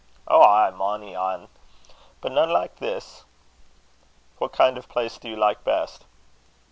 "Ou ay, mony ane; but nane like this." "What kind of place do you like best?"